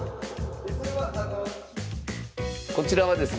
こちらはですね